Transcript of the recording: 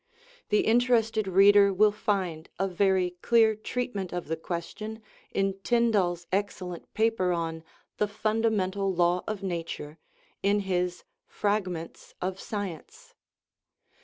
The interested reader will find a very clear treatment of the question in Tyndall's ex cellent paper on " The Fundamental Law of Nature," in his Fragments of Science.